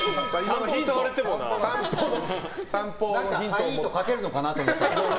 はいとかけるのかなと思ったら。